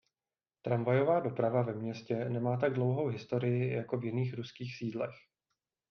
Tramvajová doprava ve městě nemá tak dlouhou historii jako v jiných ruských sídlech.